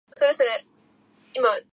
朝になり、ボートが完成し、彼は出発した